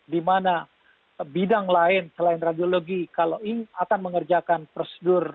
di mana bidang lain selain radiologi kalau ini akan mengerjakan prosedur